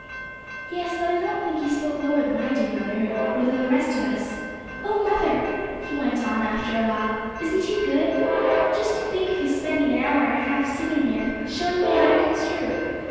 "Yes, but I don't think he spoke lower than I do, mother, or than the rest of us. O mother!" he went on, after a while, "isn't he good? Just to think of his spending an hour and a half sitting here, showing me how to construe.